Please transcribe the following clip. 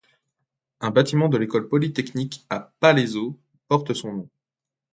Un bâtiment de l’École polytechnique, à Palaiseau, porte son nom.